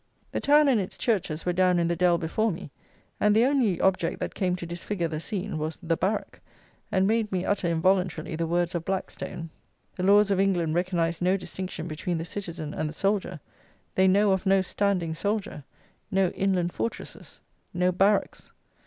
The town and its churches were down in the dell before me, and the only object that came to disfigure the scene was THE BARRACK, and made me utter involuntarily the words of BLACKSTONE: "The laws of England recognise no distinction between the citizen and the soldier; they know of no standing soldier: no inland fortresses; no barracks."